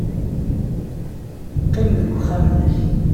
Qqim deg texxamt-nnek.